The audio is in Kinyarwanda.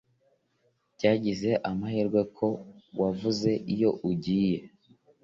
Byagize amahirwe ko wavuye iyo ugiye